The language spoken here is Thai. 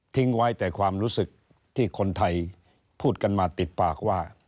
ไว้แต่ความรู้สึกที่คนไทยพูดกันมาติดปากว่า